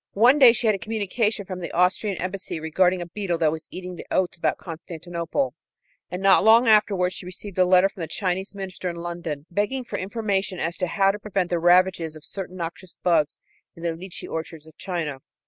One day she had a communication from the Austrian Embassy regarding a beetle that was eating the oats about Constantinople, and not long afterwards she received a letter from the Chinese Minister in London begging for information as to how to prevent the ravages of certain noxious bugs in the lee chee orchards of China.